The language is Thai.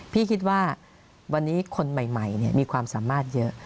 พี่คิดว่าวันนี้คนใหม่มีความสามารถเยอะ